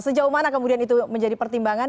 sejauh mana kemudian itu menjadi pertimbangan